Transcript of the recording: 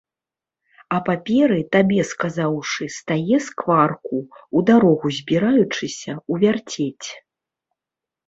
А паперы, табе сказаўшы, стае скварку, у дарогу збіраючыся, увярцець.